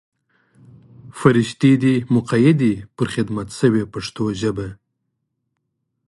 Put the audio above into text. فرښتې دې مقیدې پر خدمت شوې په پښتو ژبه.